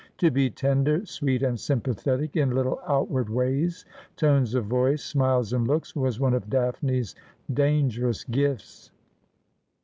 To be tender, sweet, and sympathetic in httle outward ways, tones of voice, smiles, and looks, was one of Daphne's dangerous gifts.